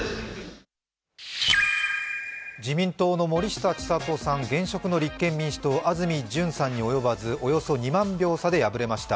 自民党の森下千里さん、現職の立憲民主党、安住淳さんに及ばず、およそ２万票差で敗れました。